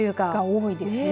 多いですね。